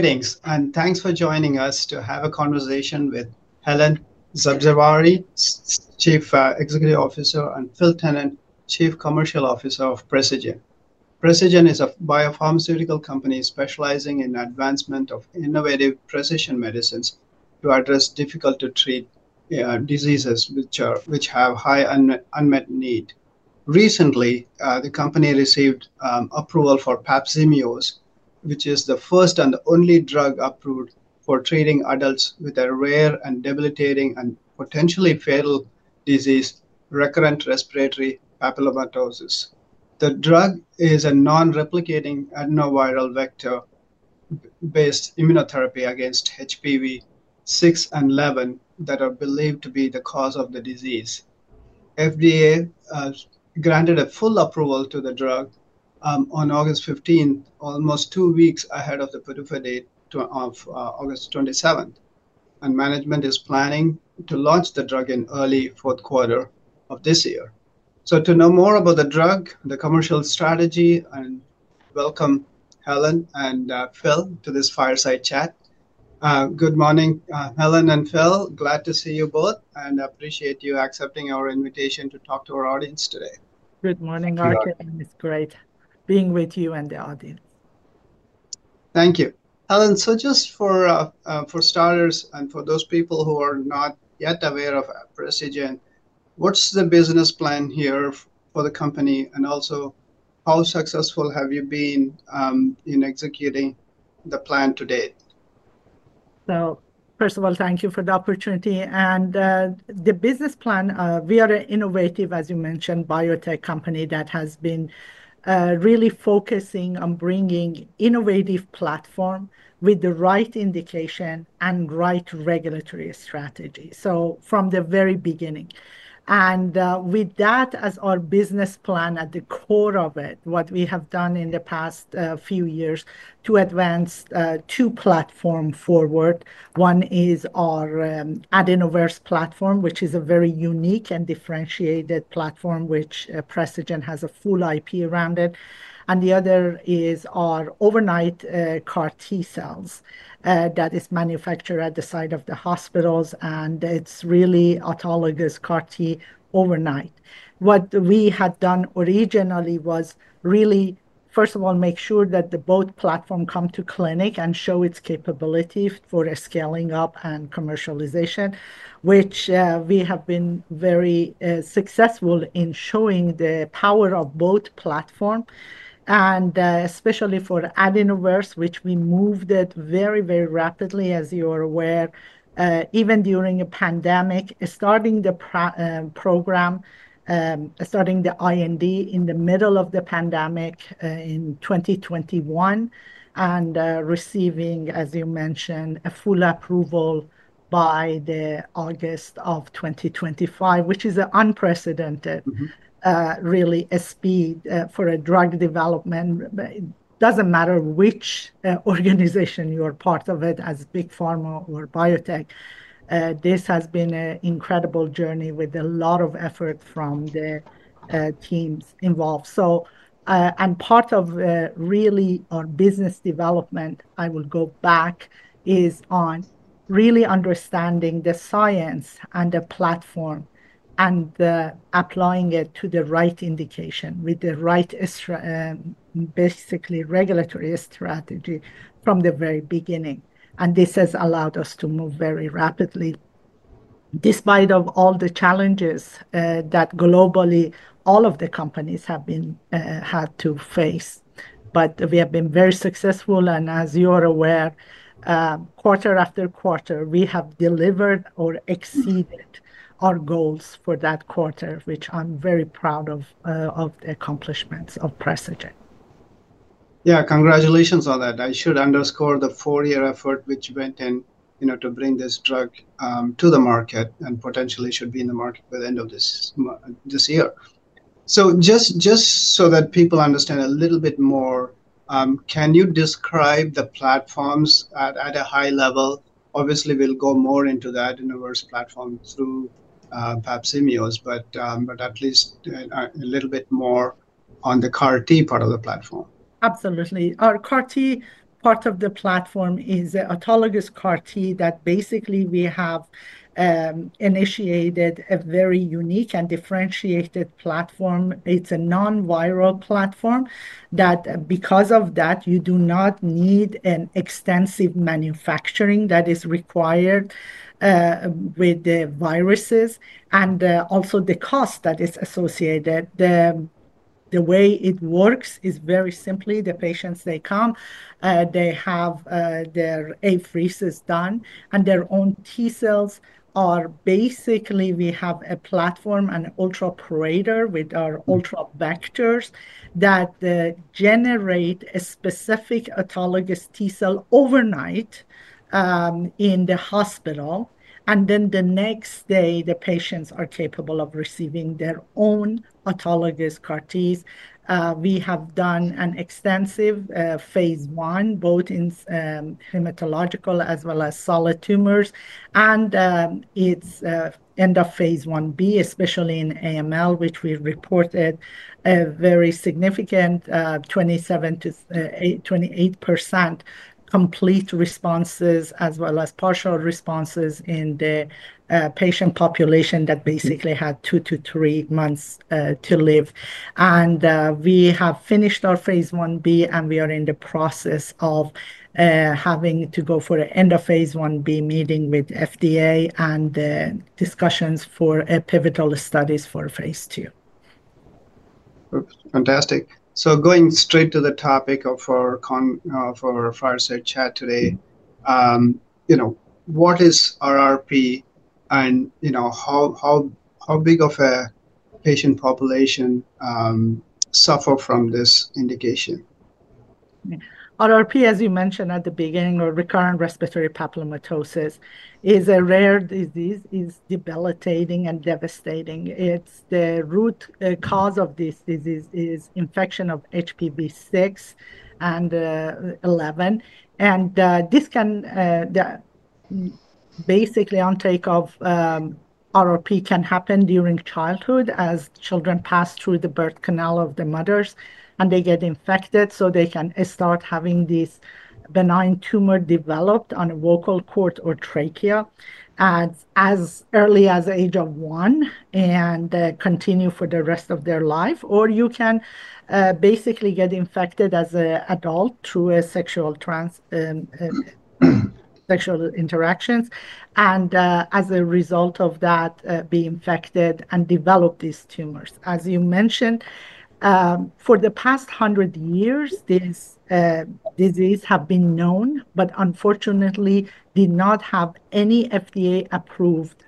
Greetings, and thanks for joining us to have a conversation with Helen Sabzevari, Chief Executive Officer, and Phil Tennant, Chief Commercial Officer of Precigen. Precigen is a biopharma company specializing in the advancement of innovative precision medicines to address difficult-to-treat diseases which have a high unmet need. Recently, the company received approval for PAPZIMEOS, which is the first and the only drug approved for treating adults with a rare and debilitating and potentially fatal disease, recurrent respiratory papillomatosis. The drug is a non-replicating adenoviral vector-based immunotherapy against HPV 6 and 11 that are believed to be the cause of the disease. FDA has granted full approval to the drug on August 15, almost two weeks ahead of the put-to-play date of August 27, and management is planning to launch the drug in the early fourth quarter of this year. To know more about the drug, the commercial strategy, and welcome Helen and Phil to this fireside chat. Good morning, Helen and Phil. Glad to see you both and appreciate you accepting our invitation to talk to our audience today. Good morning, Arjun. It's great being with you and the audience. Thank you. Helen, just for starters and for those people who are not yet aware of Precigen, what's the business plan here for the company and also how successful have you been in executing the plan to date? First of all, thank you for the opportunity. The business plan, we are an innovative, as you mentioned, biotech company that has been really focusing on bringing an innovative platform with the right indication and right regulatory strategy from the very beginning. With that as our business plan at the core of it, what we have done in the past few years is advance two platforms forward. One is our AdenoVerse platform, which is a very unique and differentiated platform, which Precigen has a full IP around. The other is our overnight CAR-T cells that are manufactured at the site of the hospitals, and it's really autologous CAR-T overnight. What we had done originally was, first of all, make sure that both platforms come to clinic and show its capability for scaling up and commercialization, which we have been very successful in showing the power of both platforms, and especially for AdenoVerse, which we moved very, very rapidly, as you are aware, even during a pandemic, starting the program, starting the IND in the middle of the pandemic in 2021, and receiving, as you mentioned, a full approval by August of 2025, which is an unprecedented speed for a drug development. It doesn't matter which organization you're part of, as big pharma or biotech, this has been an incredible journey with a lot of effort from the teams involved. Part of our business development is on really understanding the science and the platform and applying it to the right indication with the right regulatory strategy from the very beginning. This has allowed us to move very rapidly, despite all the challenges that globally all of the companies have had to face. We have been very successful, and as you are aware, quarter-after-quarter, we have delivered or exceeded our goals for that quarter, which I'm very proud of the accomplishments of Precigen. Yeah, congratulations on that. I should underscore the four-year effort which went in to bring this drug to the market and potentially should be in the market by the end of this year. Just so that people understand a little bit more, can you describe the platforms at a high level? Obviously, we'll go more into the AdenoVerse platform through PAPZIMEOS, but at least a little bit more on the CAR-T part of the platform. Absolutely. Our CAR-T part of the platform is an autologous CAR-T that basically we have initiated a very unique and differentiated platform. It's a non-viral platform that, because of that, you do not need an extensive manufacturing that is required with the viruses and also the cost that is associated. The way it works is very simply: the patients, they come, they have their apheresis done, and their own T cells are basically, we have a platform, an UltraPorator with our ultra-vectors that generate a specific autologous T cell overnight in the hospital. The next day, the patients are capable of receiving their own autologous CAR-Ts. We have done an extensive Phase I, both in hematological as well as solid tumors, and it's end of Phase IB, especially in AML, which we've reported a very significant 27% to 28% complete responses, as well as partial responses in the patient population that basically had two to three months to live. We have finished our phase IB, and we are in the process of having to go for the end of Phase IB meeting with the FDA and discussions for pivotal studies for Phase II. Fantastic. Going straight to the topic of our fireside chat today, what is RRP and how big of a patient population suffers from this indication? RRP, as you mentioned at the beginning, or recurrent respiratory papillomatosis, is a rare disease, is debilitating and devastating. The root cause of this disease is infection of HPV 6 and HPV 11. This can basically undertake of RRP can happen during childhood as children pass through the birth canal of the mothers and they get infected, so they can start having this benign tumor developed on a vocal cord or trachea as early as the age of one and continue for the rest of their life. You can basically get infected as an adult through sexual interactions, and as a result of that, be infected and develop these tumors. As you mentioned, for the past 100 years, this disease has been known, but unfortunately, did not have any FDA-approved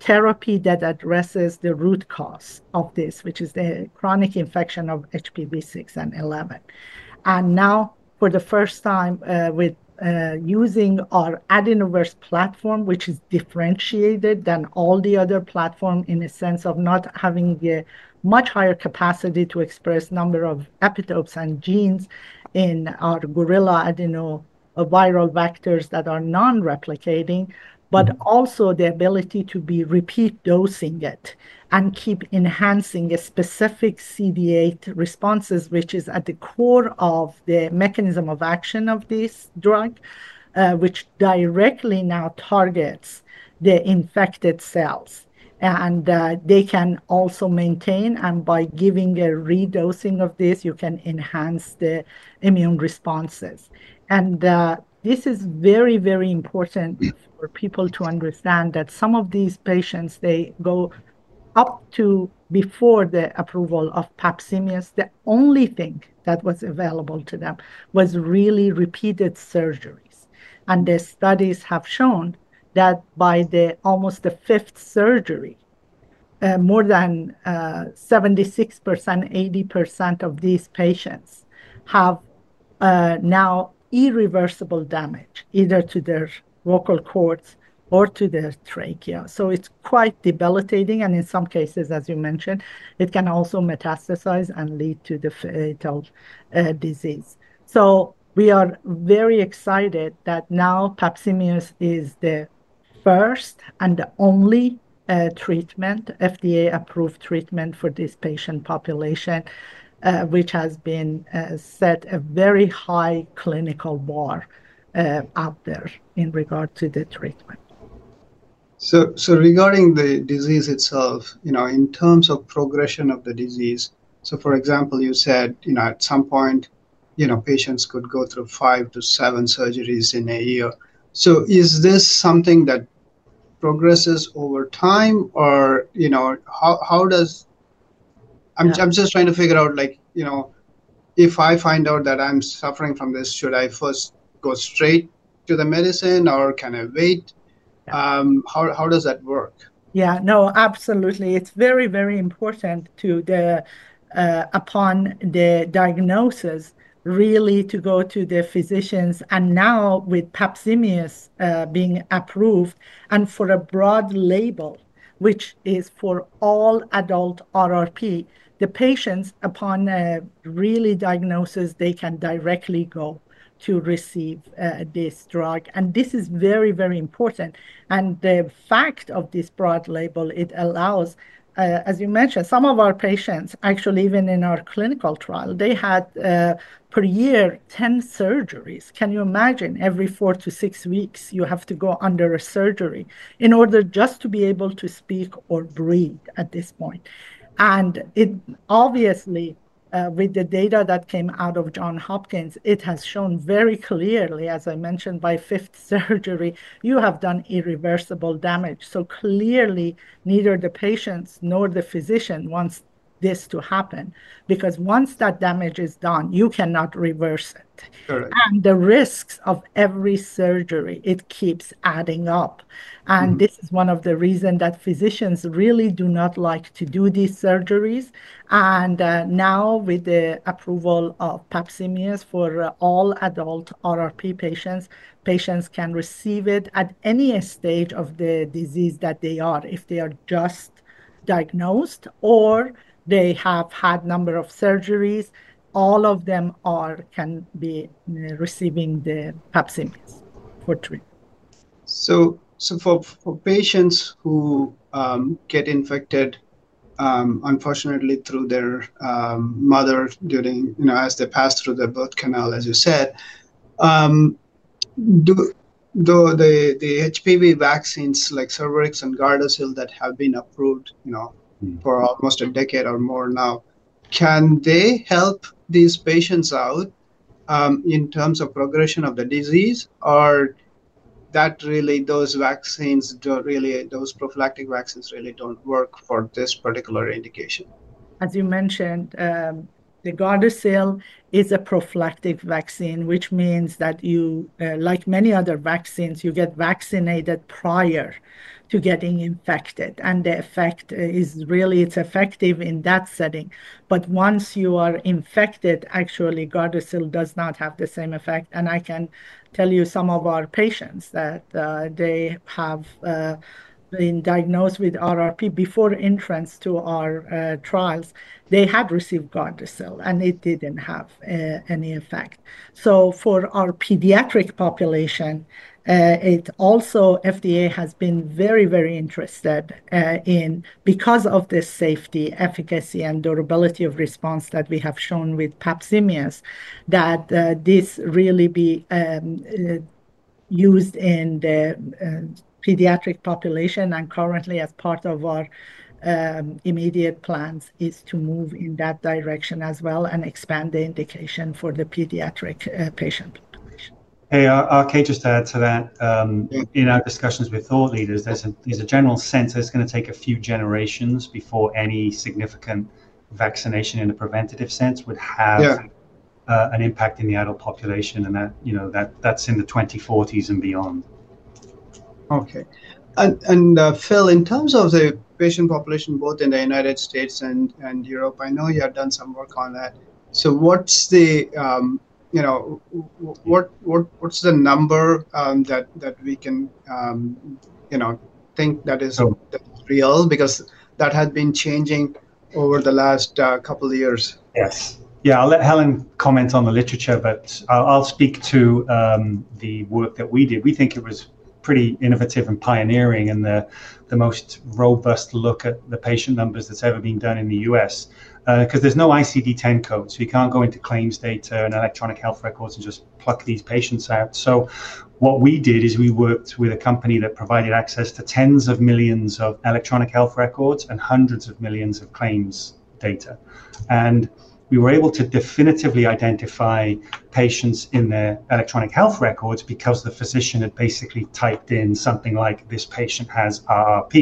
therapy that addresses the root cause of this, which is the chronic infection of HPV 6 and HPV 11. Now, for the first time, with using our AdenoVerse platform, which is differentiated than all the other platforms in the sense of not having the much higher capacity to express a number of epitopes and genes in our gorilla adenoviral vectors that are non-replicating, but also the ability to be repeat dosing it and keep enhancing specific CD8 responses, which is at the core of the mechanism of action of this drug, which directly now targets the infected cells. They can also maintain, and by giving a re-dosing of this, you can enhance the immune responses. This is very, very important for people to understand that some of these patients, they go up to before the approval of PAPZIMEOS, the only thing that was available to them was really repeated surgeries. The studies have shown that by almost the fifth surgery, more than 76%, 80% of these patients have now irreversible damage either to their vocal cords or to their trachea. It's quite debilitating, and in some cases, as you mentioned, it can also metastasize and lead to the fatal disease. We are very excited that now PAPZIMEOS is the first and the only treatment, FDA-approved treatment for this patient population, which has set a very high clinical bar out there in regard to the treatment. Regarding the disease itself, in terms of progression of the disease, for example, you said at some point patients could go through five to seven surgeries in a year. Is this something that progresses over time, or how does that work? I'm just trying to figure out, if I find out that I'm suffering from this, should I first go straight to the medicine, or can I wait? How does that work? Yeah, no, absolutely. It's very, very important to, upon the diagnosis, really to go to the physicians. Now, with PAPZIMEOS being approved and for a broad label, which is for all adult RRP, the patients, upon really diagnosis, they can directly go to receive this drug. This is very, very important. The fact of this broad label, it allows, as you mentioned, some of our patients, actually, even in our clinical trial, they had per year 10 surgeries. Can you imagine every four to six weeks, you have to go under a surgery in order just to be able to speak or breathe at this point? Obviously, with the data that came out of Johns Hopkins, it has shown very clearly, as I mentioned, by fifth surgery, you have done irreversible damage. Clearly, neither the patients nor the physician wants this to happen, because once that damage is done, you cannot reverse it. The risks of every surgery, it keeps adding up. This is one of the reasons that physicians really do not like to do these surgeries. Now, with the approval of PAPZIMEOS for all adult RRP patients, patients can receive it at any stage of the disease that they are, if they are just diagnosed or they have had a number of surgeries, all of them can be receiving the PAPZIMEOS for free. For patients who get infected, unfortunately, through their mother during, you know, as they pass through the birth canal, as you said, though the HPV vaccines, like Cervarix and Gardasil, that have been approved, you know, for almost a decade or more now, can they help these patients out in terms of progression of the disease, or that really, those vaccines don't really, those prophylactic vaccines really don't work for this particular indication? As you mentioned, the Gardasil is a prophylactic vaccine, which means that you, like many other vaccines, you get vaccinated prior to getting infected, and the effect is really, it's effective in that setting. Once you are infected, actually, Gardasil does not have the same effect. I can tell you some of our patients that they have been diagnosed with RRP before entrance to our trials, they had received Gardasil, and it didn't have any effect. For our pediatric population, FDA has been very, very interested in, because of the safety, efficacy, and durability of response that we have shown with PAPZIMEOS, that this really be used in the pediatric population. Currently, as part of our immediate plans, is to move in that direction as well and expand the indication for the pediatric patient population. I'll just add to that. In our discussions with thought leaders, there's a general sense that it's going to take a few generations before any significant vaccination in a preventative sense would have an impact in the adult population, and that, you know, that's in the 2040s and beyond. Okay. Phil, in terms of the patient population, both in the U.S. and Europe, I know you have done some work on that. What's the number that we can think that is real, because that had been changing over the last couple of years? Yes. Yeah, I'll let Helen comment on the literature, but I'll speak to the work that we did. We think it was pretty innovative and pioneering and the most robust look at the patient numbers that's ever been done in the U.S., because there's no ICD-10 code, so you can't go into claims data and electronic health records and just pluck these patients out. What we did is we worked with a company that provided access to tens of millions of electronic health records and hundreds of millions of claims data. We were able to definitively identify patients in their electronic health records because the physician had basically typed in something like, "This patient has RRP."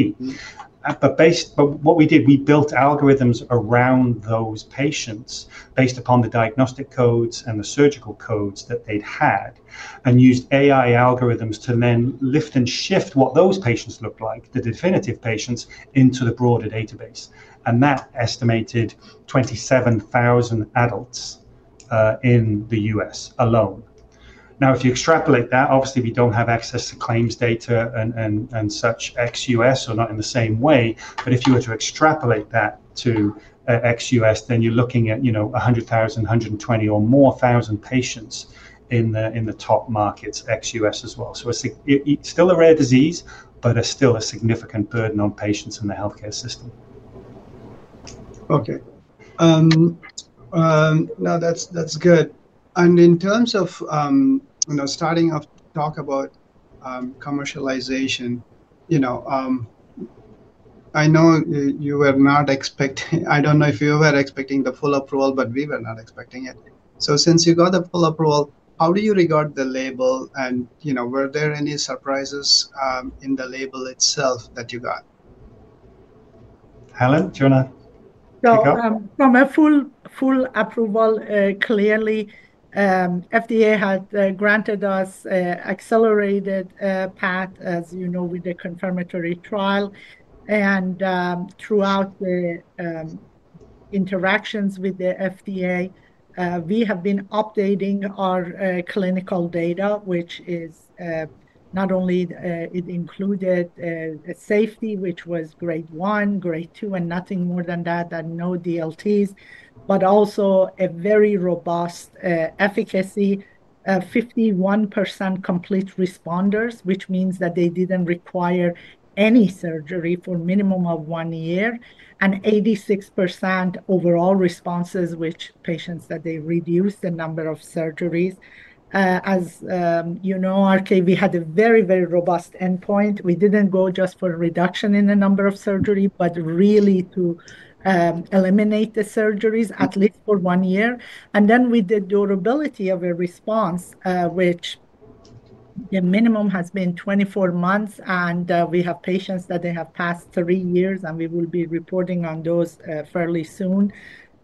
What we did, we built algorithms around those patients based upon the diagnostic codes and the surgical codes that they'd had and used AI algorithms to then lift and shift what those patients looked like, the definitive patients, into the broader database. That estimated 27,000 adults in the U.S. alone. If you extrapolate that, obviously, we don't have access to claims data and such ex-U.S., not in the same way. If you were to extrapolate that to ex-U.S., then you're looking at, you know, 100,000, 120,000 or more thousand patients in the top markets, ex-U.S. as well. It's still a rare disease, but it's still a significant burden on patients in the healthcare system. Okay. No, that's good. In terms of starting up, talk about commercialization. I know you were not expecting, I don't know if you were expecting the full approval, but we were not expecting it. Since you got the full approval, how do you regard the label, and were there any surprises in the label itself that you got? Helen? No, from a full approval, clearly, FDA had granted us an accelerated path, as you know, with the confirmatory trial. Throughout the interactions with the FDA, we have been updating our clinical data, which not only included safety, which was grade 1, grade 2, and nothing more than that, and no DLTs, but also a very robust efficacy, 51% complete responders, which means that they didn't require any surgery for a minimum of one year, and 86% overall responses, which patients that they reduced the number of surgeries. As you know, we had a very, very robust endpoint. We didn't go just for a reduction in the number of surgeries, but really to eliminate the surgeries at least for one year. With the durability of a response, which the minimum has been 24 months, and we have patients that they have passed three years, and we will be reporting on those fairly soon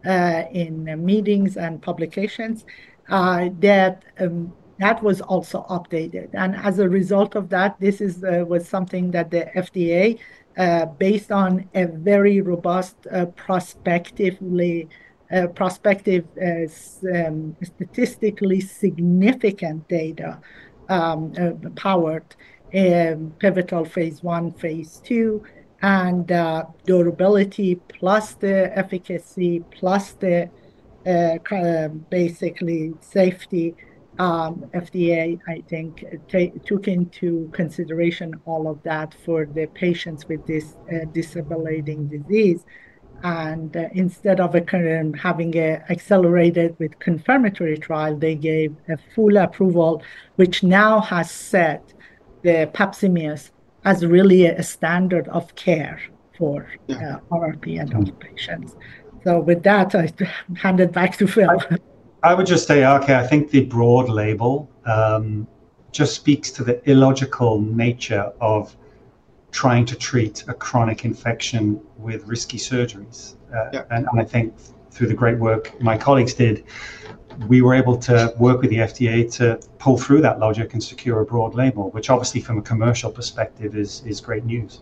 in meetings and publications, that was also updated. As a result of that, this was something that the FDA, based on a very robust prospective, statistically significant data, powered pivotal phase I, phase II, and durability plus the efficacy plus the basically safety, FDA, I think, took into consideration all of that for the patients with this disability disease. Instead of having accelerated with confirmatory trial, they gave a full approval, which now has set the PAPZIMEOS as really a standard of care for RRP adult patients. With that, I hand it back to Phil. I would just say, Arjun, I think the broad label just speaks to the illogical nature of trying to treat a chronic infection with risky surgeries. I think through the great work my colleagues did, we were able to work with the FDA to pull through that logic and secure a broad label, which obviously from a commercial perspective is great news.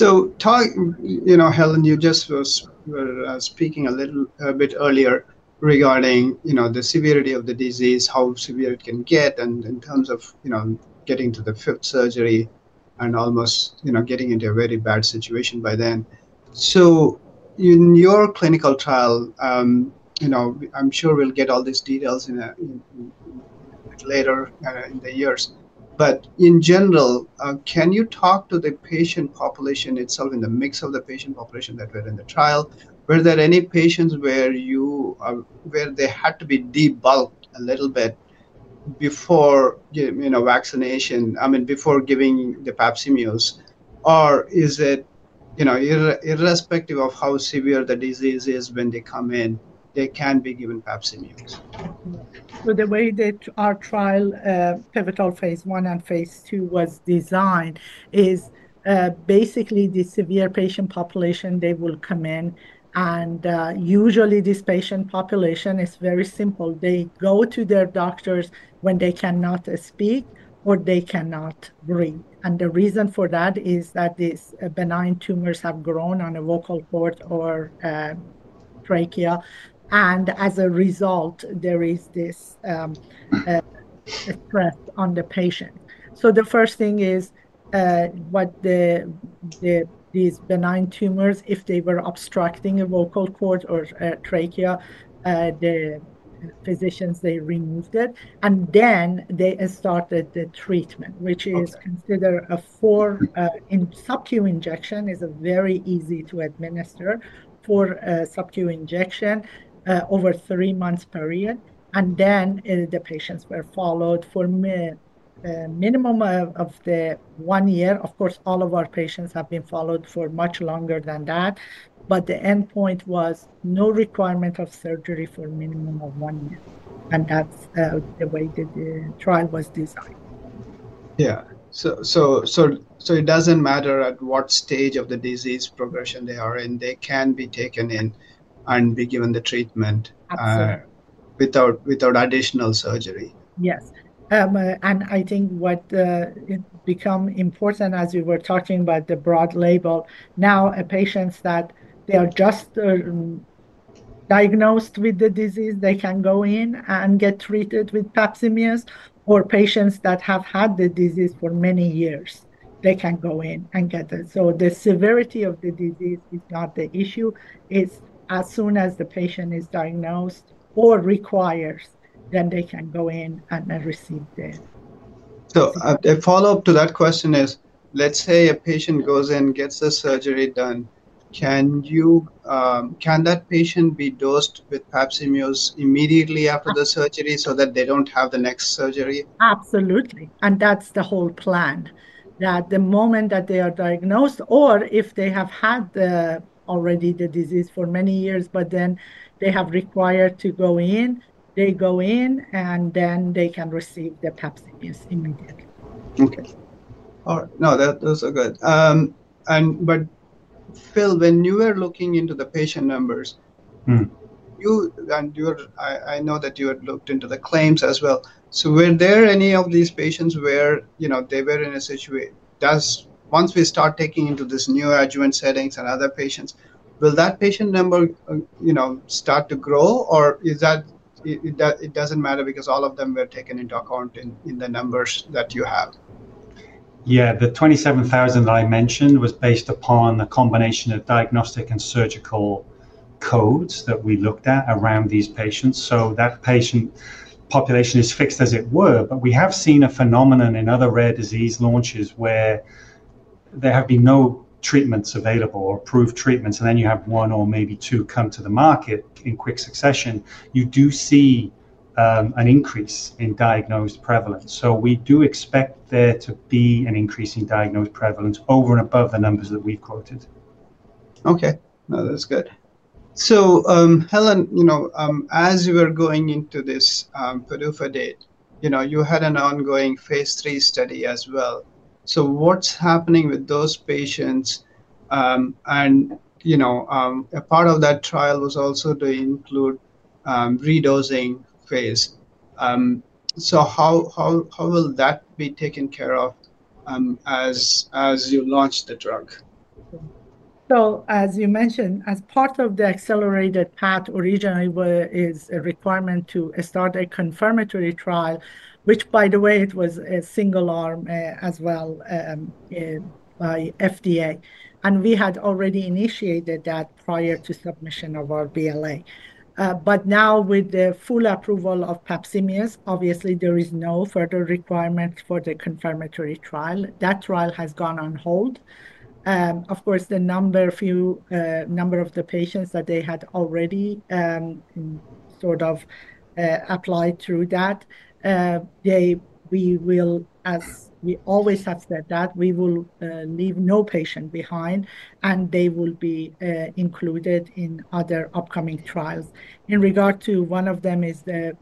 Yeah. Helen, you just were speaking a little bit earlier regarding the severity of the disease, how severe it can get, and in terms of getting to the fifth surgery and almost getting into a very bad situation by then. In your clinical trial, I'm sure we'll get all these details later in the years. In general, can you talk to the patient population itself and the mix of the patient population that were in the trial? Were there any patients where they had to be debulked a little bit before vaccination, I mean, before giving the PAPZIMEOS? Or is it irrespective of how severe the disease is when they come in, they can be given PAPZIMEOS? The way that our trial, pivotal phase I and phase II, was designed is basically the severe patient population, they will come in, and usually this patient population is very simple. They go to their doctors when they cannot speak or they cannot breathe. The reason for that is that these benign tumors have grown on a vocal cord or trachea, and as a result, there is this stress on the patient. The first thing is what these benign tumors, if they were obstructing a vocal cord or trachea, the physicians, they removed it, and then they started the treatment, which is considered a four in subcutaneous injection. It's very easy to administer for a subcutaneous injection over a three-month period. The patients were followed for a minimum of one year. Of course, all of our patients have been followed for much longer than that, but the endpoint was no requirement of surgery for a minimum of one year. That's the way the trial was designed. Yeah, it doesn't matter at what stage of the disease progression they are in, they can be taken in and be given the treatment without additional surgery. Yes. I think what has become important, as we were talking about the broad label, is that now patients that are just diagnosed with the disease can go in and get treated with PAPZIMEOS, or patients that have had the disease for many years can go in and get it. The severity of the disease is not the issue. It's as soon as the patient is diagnosed or requires, then they can go in and receive the treatment. A follow-up to that question is, let's say a patient goes in, gets a surgery done, can that patient be dosed with PAPZIMEOS immediately after the surgery so that they don't have the next surgery? Absolutely. That is the whole plan, that the moment that they are diagnosed, or if they have had already the disease for many years, but then they have required to go in, they go in, and then they can receive the PAPZIMEOS immediately. Okay. All right. Those are good. Phil, when you were looking into the patient numbers, you and your team, I know that you had looked into the claims as well. Were there any of these patients where they were in a situation, once we start taking into this new adjuvant settings and other patients, will that patient number start to grow, or does it not matter because all of them were taken into account in the numbers that you have? Yeah, the 27,000 that I mentioned was based upon the combination of diagnostic and surgical codes that we looked at around these patients. That patient population is fixed, as it were, but we have seen a phenomenon in other rare disease launches where there have been no treatments available or approved treatments, and then you have one or maybe two come to the market in quick succession. You do see an increase in diagnosed prevalence. We do expect there to be an increase in diagnosed prevalence over and above the numbers that we've quoted. Okay. No, that's good. Helen, as you were going into this pituitary date, you had an ongoing phase III study as well. What's happening with those patients? A part of that trial was also to include re-dosing phase. How will that be taken care of as you launch the drug? As you mentioned, as part of the accelerated path, originally, there is a requirement to start a confirmatory trial, which, by the way, it was a single arm as well by FDA. We had already initiated that prior to submission of our BLA. Now, with the full approval of PAPZIMEOS, obviously, there is no further requirement for the confirmatory trial. That trial has gone on hold. Of course, the number of the patients that they had already sort of applied through that, we will, as we always have said, that we will leave no patient behind, and they will be included in other upcoming trials. In regard to one of them is the.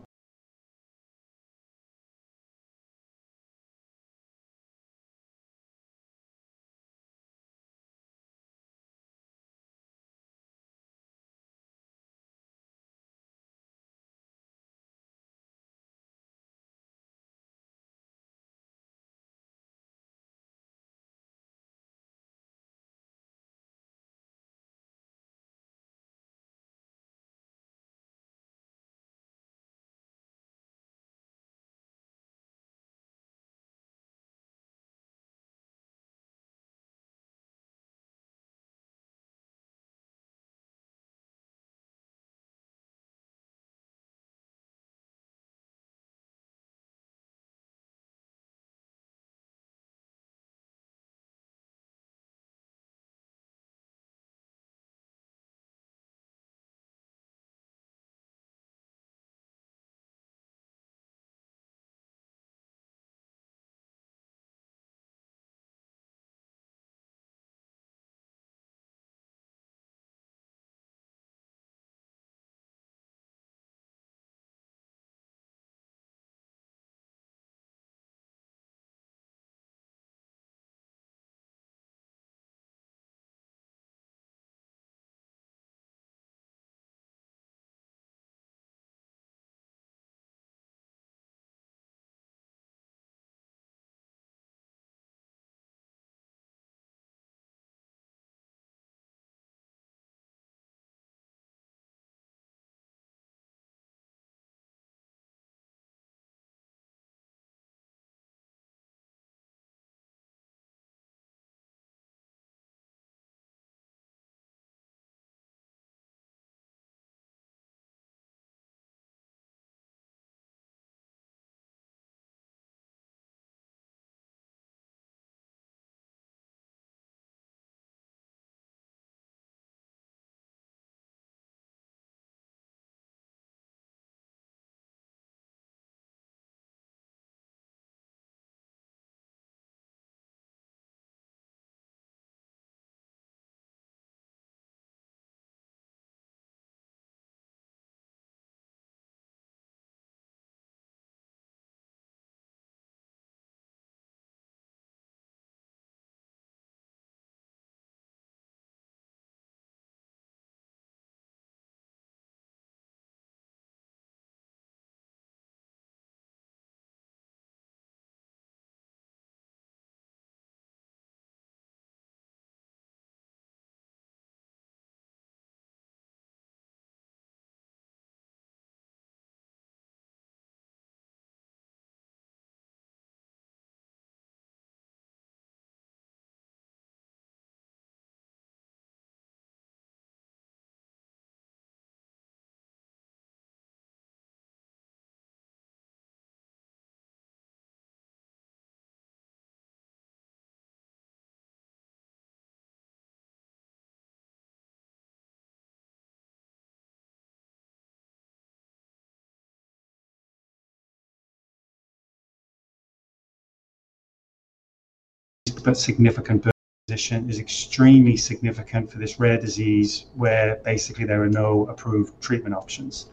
It felt significant that this is extremely significant for this rare disease where basically there are no approved treatment options.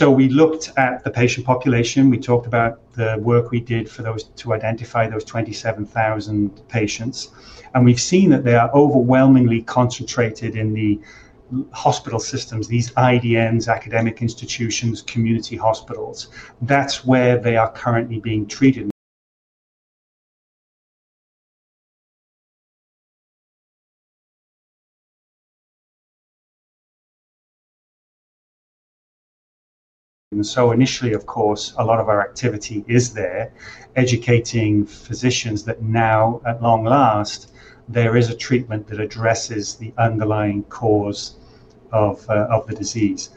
We looked at the patient population. We talked about the work we did for those to identify those 27,000 patients. We've seen that they are overwhelmingly concentrated in the hospital systems, these IDNs, academic institutions, community hospitals. That's where they are currently being treated. Initially, of course, a lot of our activity is there educating physicians that now, at long last, there is a treatment that addresses the underlying cause of the disease.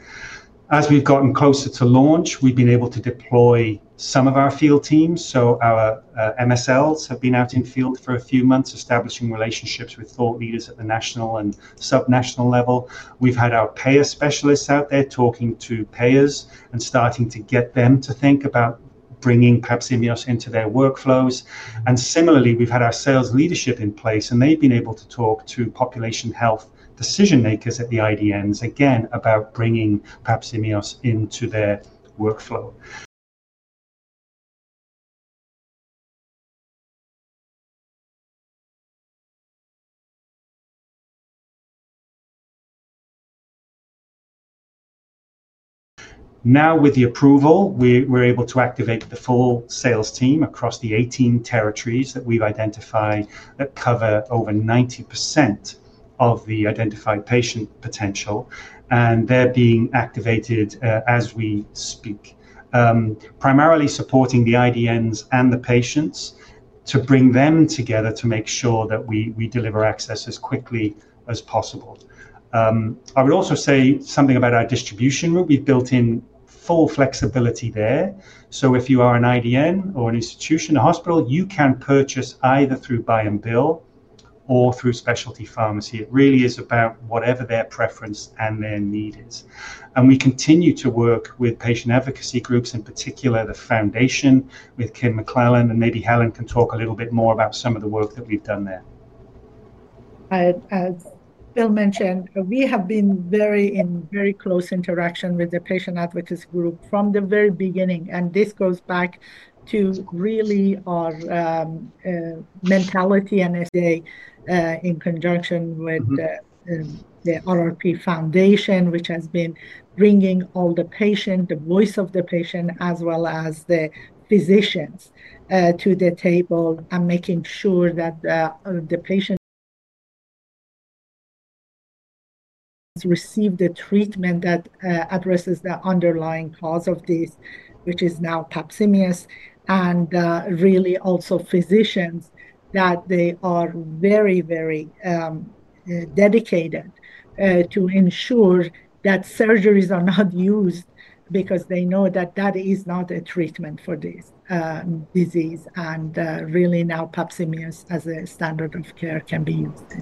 As we've gotten closer to launch, we've been able to deploy some of our field teams. Our MSLs have been out in field for a few months, establishing relationships with thought leaders at the national and subnational level. We've had our payer specialists out there talking to payers and starting to get them to think about bringing PAPZIMEOS into their workflows. Similarly, we've had our sales leadership in place, and they've been able to talk to population health decision makers at the IDNs again about bringing PAPZIMEOS into their workflow. Now, with the approval, we're able to activate the full sales team across the 18 territories that we've identified that cover over 90% of the identified patient potential. They're being activated as we speak, primarily supporting the IDNs and the patients to bring them together to make sure that we deliver access as quickly as possible. I would also say something about our distribution route. We've built in full flexibility there. If you are an IDN or an institution, a hospital, you can purchase either through buy and bill or through specialty pharmacy. It really is about whatever their preference and their need is. We continue to work with patient advocacy groups, in particular the foundation, with Kim McLellan, and maybe Helen can talk a little bit more about some of the work that we've done there. As Phil mentioned, we have been in very close interaction with the patient advocacy group from the very beginning. This goes back to really our mentality, and today, in conjunction with the RRP Foundation, which has been bringing all the patients, the voice of the patient, as well as the physicians to the table and making sure that the patient receives the treatment that addresses the underlying cause of this, which is now PAPZIMEOS, and really also physicians that they are very, very dedicated to ensure that surgeries are not used because they know that is not a treatment for this disease. Really now, PAPZIMEOS as a standard of care can be used.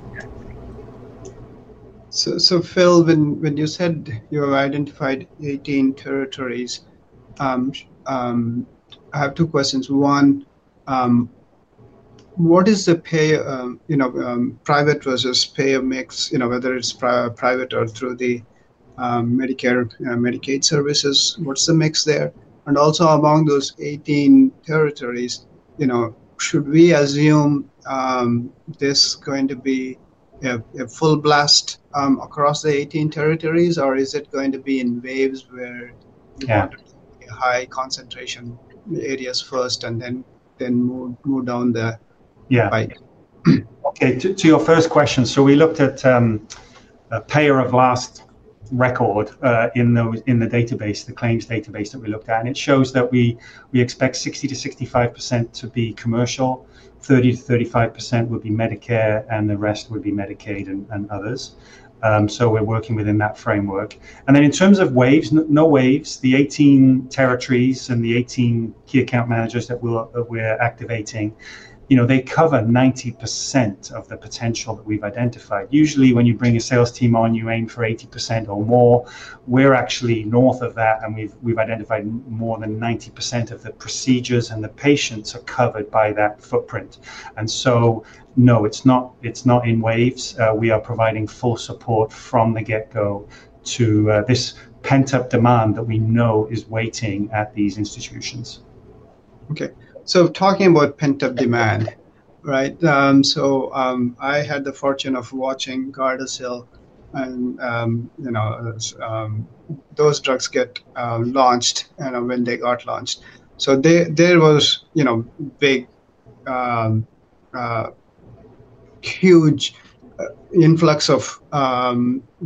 Phil, when you said you have identified 18 territories, I have two questions. One, what is the payer, you know, private versus payer mix, you know, whether it's private or through the Medicare and Medicaid services? What's the mix there? Also, among those 18 territories, should we assume this is going to be a full blast across the 18 territories, or is it going to be in waves where you have a high concentration in the areas first and then move down the pike? To your first question, we looked at a payer of last record in the database, the claims database that we looked at, and it shows that we expect 60%-65% to be commercial, 30%-35% would be Medicare, and the rest would be Medicaid and others. We're working within that framework. In terms of waves, no waves, the 18 territories and the 18 key account managers that we're activating cover 90% of the potential that we've identified. Usually, when you bring a sales team on, you aim for 80% or more. We're actually north of that, and we've identified more than 90% of the procedures and the patients are covered by that footprint. No, it's not in waves. We are providing full support from the get-go to this pent-up demand that we know is waiting at these institutions. Okay. Talking about pent-up demand, right? I had the fortune of watching Gardasil, and you know, those drugs get launched and when they got launched, there was a big, huge influx of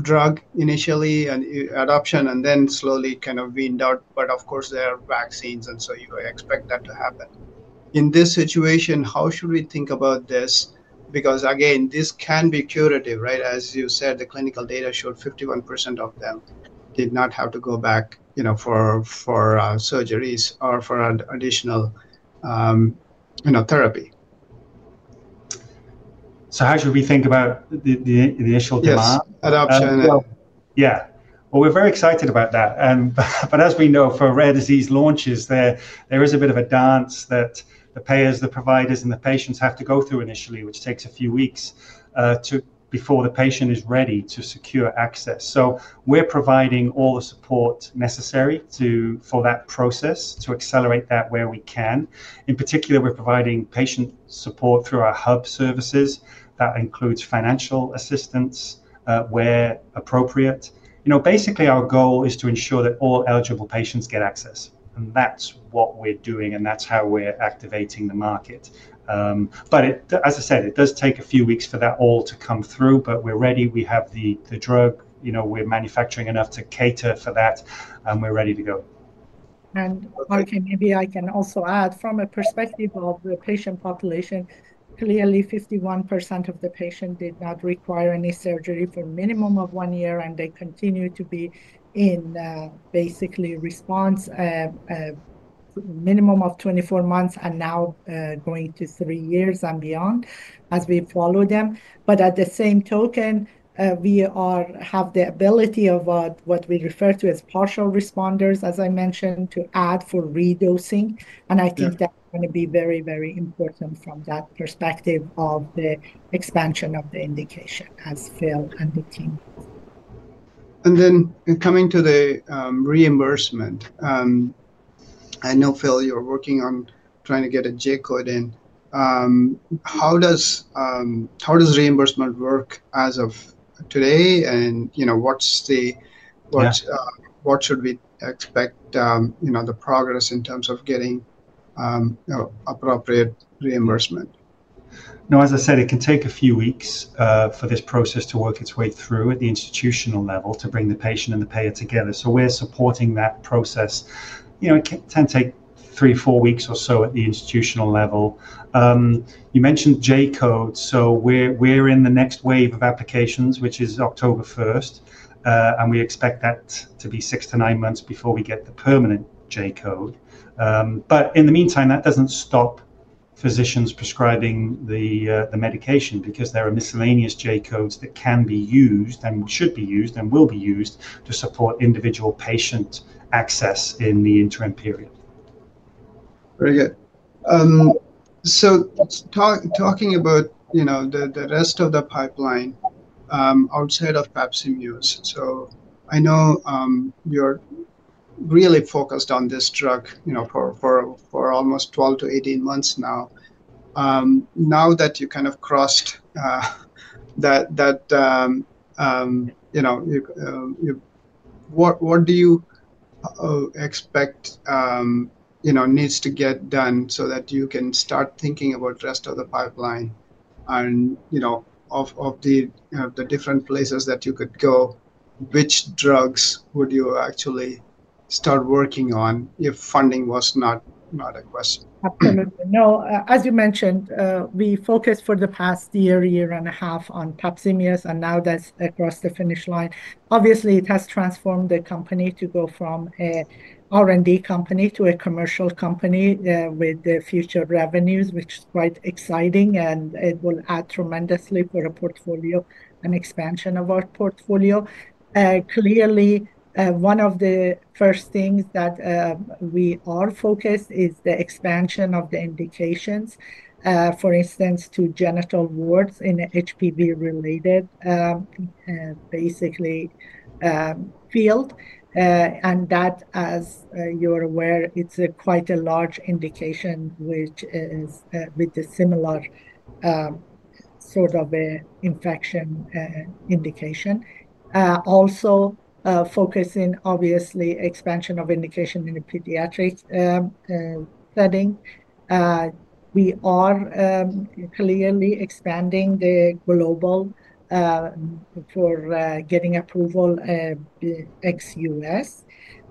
drug initially and adoption, and then slowly kind of weaned out. Of course, there are vaccines, and you expect that to happen. In this situation, how should we think about this? Because again, this can be curative, right? As you said, the clinical data showed 51% of them did not have to go back for surgeries or for additional therapy. How should we think about the initial demand? Yeah, adoption. Yeah. We're very excited about that. As we know, for rare disease launches, there is a bit of a dance that the payers, the providers, and the patients have to go through initially, which takes a few weeks before the patient is ready to secure access. We're providing all the support necessary for that process to accelerate that where we can. In particular, we're providing patient support through our hub services. That includes financial assistance where appropriate. Basically, our goal is to ensure that all eligible patients get access. That's what we're doing, and that's how we're activating the market. It does take a few weeks for that all to come through, but we're ready. We have the drug, we're manufacturing enough to cater for that, and we're ready to go. Arjun, maybe I can also add from a perspective of the patient population, clearly 51% of the patients did not require any surgery for a minimum of one year, and they continue to be in basically response for a minimum of 24 months and now going to three years and beyond as we follow them. At the same token, we have the ability of what we refer to as partial responders, as I mentioned, to add for re-dosing. I think that's going to be very, very important from that perspective of the expansion of the indication as Phil and the team. Coming to the reimbursement, I know Phil, you're working on trying to get a JCOD in. How does reimbursement work as of today, and what's the, what should we expect, the progress in terms of getting appropriate reimbursement? No, as I said, it can take a few weeks for this process to work its way through at the institutional level to bring the patient and the payer together. We're supporting that process. It can take three, four weeks or so at the institutional level. You mentioned JCOD, we're in the next wave of applications, which is October 1, and we expect that to be six to nine months before we get the permanent JCOD. In the meantime, that doesn't stop physicians prescribing the medication because there are miscellaneous JCODs that can be used and should be used and will be used to support individual patient access in the interim period. Very good. Talking about the rest of the pipeline outside of PAPZIMEOS, I know you're really focused on this drug for almost 12months-18 months now. Now that you kind of crossed that, what do you expect needs to get done so that you can start thinking about the rest of the pipeline and, of the different places that you could go, which drugs would you actually start working on if funding was not a question? Absolutely. No, as you mentioned, we focused for the past year, year and a half on PAPZIMEOS, and now that's across the finish line. Obviously, it has transformed the company to go from an R&D company to a commercial company with the future revenues, which is quite exciting, and it will add tremendously for the portfolio and expansion of our portfolio. Clearly, one of the first things that we are focused on is the expansion of the indications, for instance, to genital warts in the HPV-related, basically, field. That, as you're aware, it's quite a large indication, which is with a similar sort of infection indication. Also, focusing, obviously, expansion of indication in a pediatric setting. We are clearly expanding the global for getting approval in ex-U.S.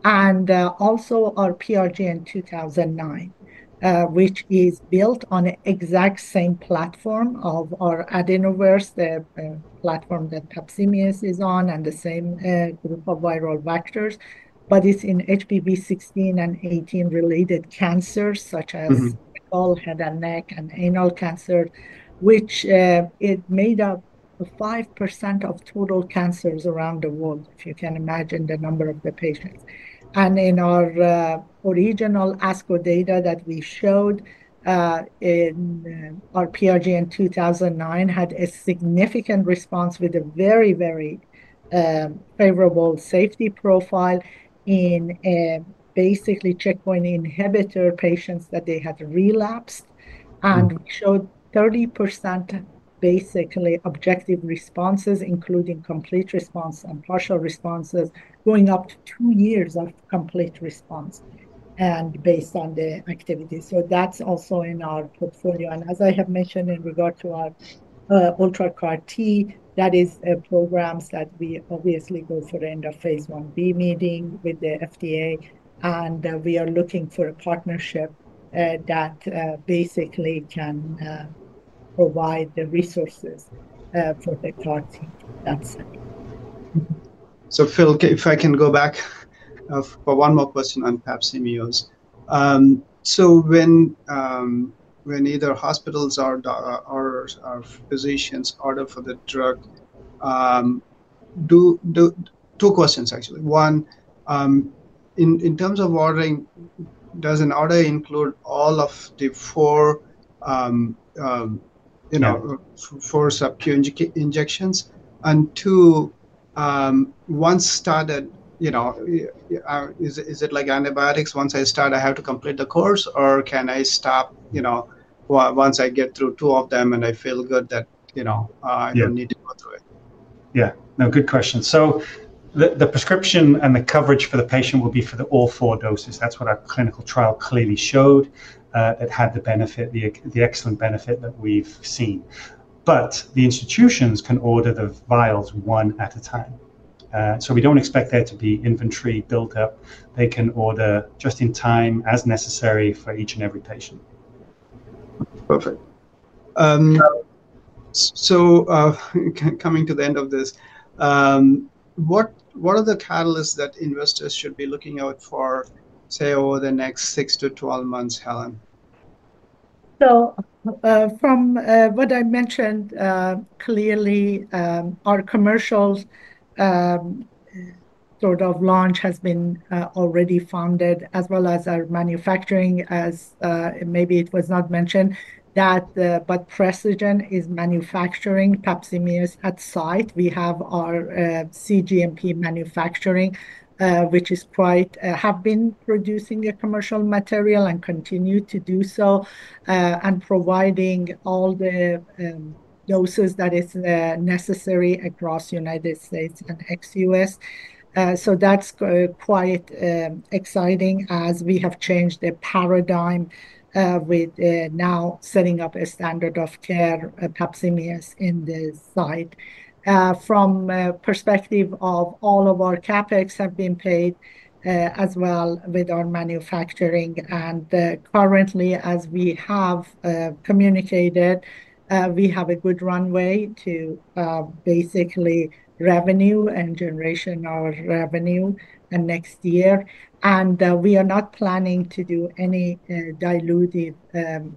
and also our PRGN-2009, which is built on the exact same platform of our AdenoVerse, the platform that PAPZIMEOS is on, and the same group of viral vectors. It's in HPV 16/18-related cancers, such as all head and neck and anal cancer, which made up 5% of total cancers around the world. You can imagine the number of the patients. In our original ASCO data that we showed in our PRGN-2009 had a significant response with a very, very favorable safety profile in basically checkpoint inhibitor patients that they had relapsed and showed 30% basically objective responses, including complete response and partial responses, going up to two years of complete response based on the activity. That's also in our portfolio. As I have mentioned in regard to our Ultra CAR-T, that is a program that we obviously go through the end of phase IB meeting with the FDA. We are looking for a partnership that basically can provide the resources for the CAR-T. Phil, if I can go back for one more question on PAPZIMEOS. When either hospitals or physicians order for the drug, two questions, actually. One, in terms of ordering, does an order include all of the four subcutaneous injections? Two, once started, is it like antibiotics? Once I start, do I have to complete the course, or can I stop once I get through two of them and I feel good that I don't need to go through it? Good question. The prescription and the coverage for the patient will be for all four doses. That's what our clinical trial clearly showed that had the benefit, the excellent benefit that we've seen. The institutions can order the vials one at a time. We don't expect there to be inventory built up. They can order just in time as necessary for each and every patient. Perfect. Coming to the end of this, what are the catalysts that investors should be looking out for, say, over the next 6months-12 months, Helen? From what I mentioned, clearly, our commercial sort of launch has been already funded, as well as our manufacturing. Precigen is manufacturing PAPZIMEOS at site. We have our cGMP manufacturing, which is quite, have been producing the commercial material and continue to do so, and providing all the doses that are necessary across the U.S. and ex-U.S. That's quite exciting as we have changed the paradigm with now setting up a standard of care PAPZIMEOS in the site. From the perspective of all of our CapEx that have been paid as well with our manufacturing, currently, as we have communicated, we have a good runway to basically revenue and generation of revenue next year. We are not planning to do any dilutive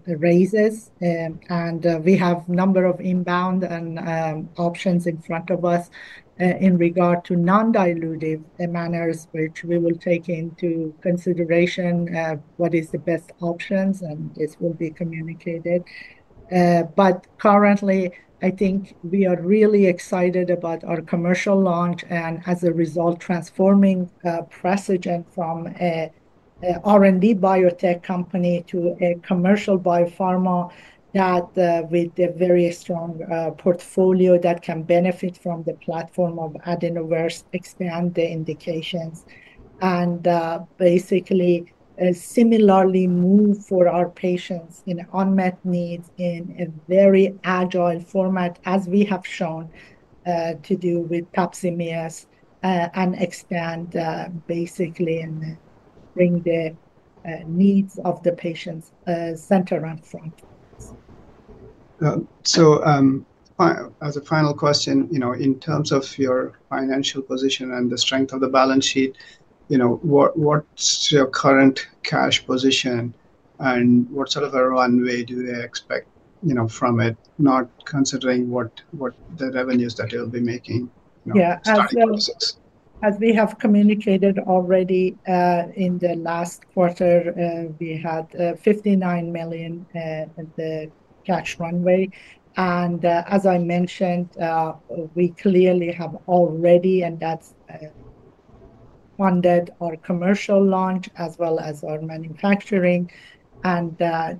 raises. We have a number of inbound options in front of us in regard to non-dilutive manners, which we will take into consideration what is the best options, and this will be communicated. Currently, I think we are really excited about our commercial launch and, as a result, transforming Precigen from an R&D biotech company to a commercial biopharma that, with a very strong portfolio, can benefit from the platform of AdenoVerse, expand the indications, and basically similarly move for our patients in unmet needs in a very agile format, as we have shown to do with PAPZIMEOS, and expand basically and bring the needs of the patients center and front. As a final question, in terms of your financial position and the strength of the balance sheet, what's your current cash position and what sort of a runway do they expect from it, not considering what the revenues that they'll be making? Yeah, as we have communicated already in the last quarter, we had $59 million at the cash runway. As I mentioned, we clearly have already, and that's funded our commercial launch as well as our manufacturing.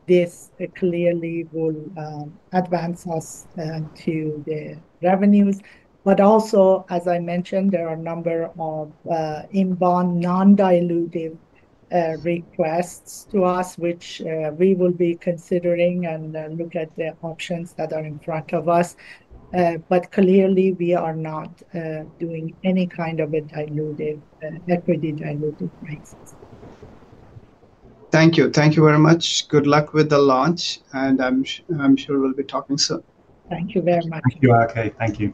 This clearly will advance us to the revenues. As I mentioned, there are a number of inbound non-dilutive requests to us, which we will be considering and look at the options that are in front of us. We are not doing any kind of a dilutive equity dilutive prices. Thank you. Thank you very much. Good luck with the launch, and I'm sure we'll be talking soon. Thank you very much. Thank you, Arjun. Thank you.